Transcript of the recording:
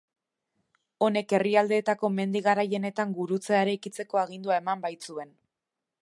Honek herrialdeetako mendi garaienetan gurutzea eraikitzeko agindua eman baitzuen.